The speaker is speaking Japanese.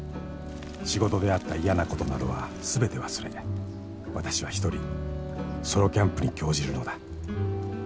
［仕事であった嫌なことなどは全て忘れ私は一人ソロキャンプに興じるのだ］